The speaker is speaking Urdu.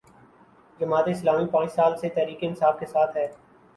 جماعت اسلامی پانچ سال سے تحریک انصاف کے ساتھ ہے۔